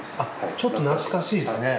ちょっと懐かしいですね。